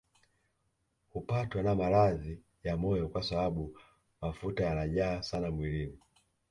Hupatwa na maradhi ya moyo kwa sababu mafuta yanajaa sana mwilini